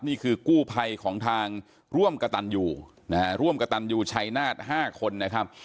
นี่คือกู้ภัยของทางร่วมกระตันอยู่นะฮะร่วมกระตันอยู่ชัยนาฏ๕คนนะครับ